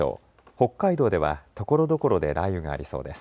北海道ではところどころで雷雨がありそうです。